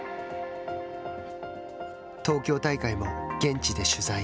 東京大会も現地で取材。